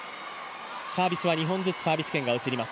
サービスは２本ずつサービス権が移ります。